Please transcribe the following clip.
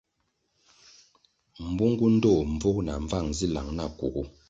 Mbungu ndtoh mbvug na mbvang zi lang na kugu.